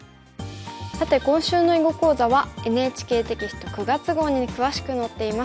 さて今週の囲碁講座はＮＨＫテキスト９月号に詳しく載っています。